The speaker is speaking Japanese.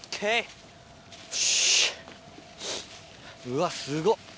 うわすごっ。